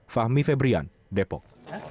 fahmi febrian depok